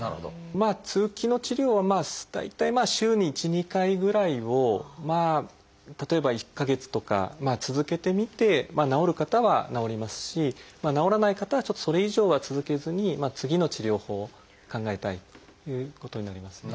まあ通気の治療は大体まあ週に１２回ぐらいを例えば１か月とか続けてみて治る方は治りますし治らない方はちょっとそれ以上は続けずに次の治療法を考えたいということになりますね。